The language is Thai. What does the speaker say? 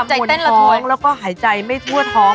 ใจเต้นเหรอทุ๊ยมนท้องแล้วก็หายใจไม่ทั่วท้อง